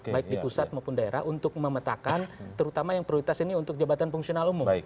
baik di pusat maupun daerah untuk memetakan terutama yang prioritas ini untuk jabatan fungsional umum